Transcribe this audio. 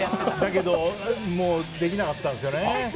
だけど、できなかったんですよね。